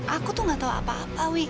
aku tuh gak tahu apa apa wi